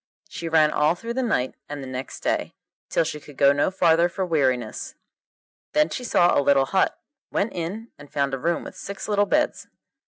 She ran all through the night and the next day, till she could go no farther for weariness. Then she saw a little hut, went in, and found a room with six little beds.